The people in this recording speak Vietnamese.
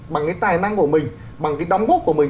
bằng cái tài năng của mình bằng cái đóng góp của mình